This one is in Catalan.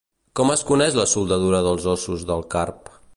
Com es coneix la soldadura dels ossos del carp?